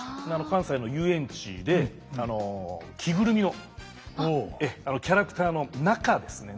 関西の遊園地で着ぐるみのキャラクターの中ですね。